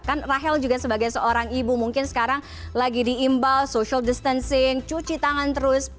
kan rahel juga sebagai seorang ibu mungkin sekarang lagi diimbal social distancing cuci tangan terus